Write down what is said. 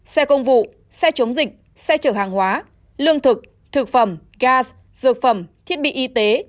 xe công vụ xe chống dịch xe chở hàng hóa lương thực thực phẩm gaz dược phẩm thiết bị y tế